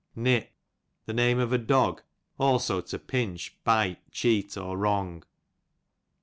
Nip, the name of a dog ; also to "pinch, bite, cheat, or wrong.